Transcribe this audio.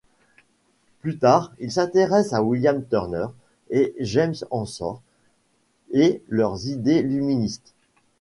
Plus tard, il s'intéresse à William Turner et James Ensor et leurs idées luministes.